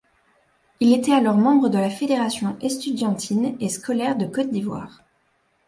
Il était alors membre de la Fédération estudiantine et scolaire de Côte d'Ivoire.